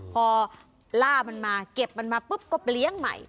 พอล่ามันมาเก็บมันมาปุ๊บก็ไปเลี้ยงใหม่